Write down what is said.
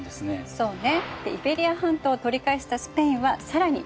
そうね。